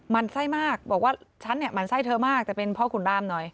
มันไส้มากบอกว่าฉันเนี่ยหมั่นไส้เธอมากแต่เป็นพ่อขุนร่ามหน่อย